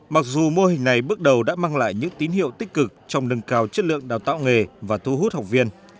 mặc dù mô hình này bước đầu đã mang lại những tín hiệu tích cực trong nâng cao chất lượng đào tạo nghề và thu hút học viên